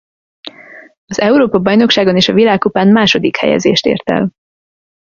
Az Európa-bajnokságon és a Világkupán második helyezést ért el.